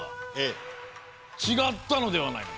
ちがったのではないのか？